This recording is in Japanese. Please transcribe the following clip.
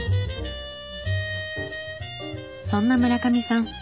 そんな村上さん